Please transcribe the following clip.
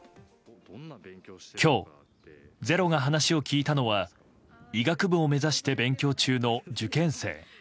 今日「ｚｅｒｏ」が話を聞いたのは医学部を目指して勉強中の受験生。